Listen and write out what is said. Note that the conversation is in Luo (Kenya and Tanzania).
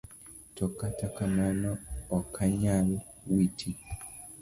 To kata kamano okanyal witi.